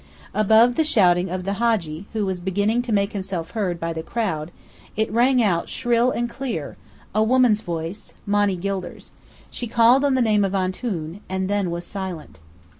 Above the shouting of the Hadji, who was beginning to make himself heard by the crowd, it rang out shrill and clear a woman's voice: Monny Gilder's. She called on the name of Antoun, and then was silent.